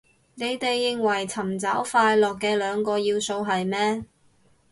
你哋認為尋找快樂嘅兩個要素係咩